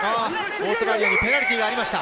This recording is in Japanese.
オーストラリアにペナルティーがありました。